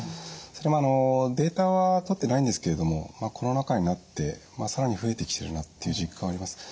それもデータはとってないんですけれどもコロナ禍になって更に増えてきてるなっていう実感はあります。